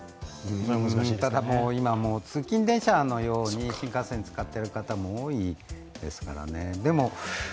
ただ、今、通勤電車のように新幹線を使っている方も多いですからね。